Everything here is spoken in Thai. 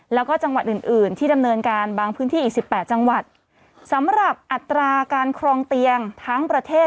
แล้วก็จังหวัดอื่นอื่นที่ดำเนินการบางพื้นที่อีกสิบแปดจังหวัดสำหรับอัตราการครองเตียงทั้งประเทศ